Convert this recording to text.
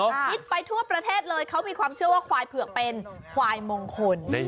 ฮิตไปทั่วประเทศเลยเขามีความเชื่อว่าควายเผือกเป็นควายมงคล